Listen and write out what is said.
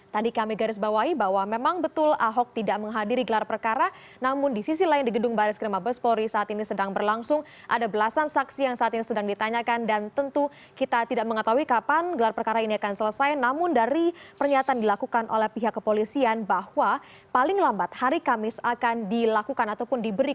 tadi kami garisbawahi bahwa memang betul ahok tidak menghadiri gelar pekara namun di sisi lain di gedung baris krim mabespori saat ini sedang berlangsung ada belasan saksi yang saat ini sedang ditanyakan dan tentu kita tidak mengetahui kapan gelar pekara ini akan selesai namun dari pernyataan dilakukan oleh pihak kepolisian bahwa paling lambat hari kamis akan dilakukan atau diberikan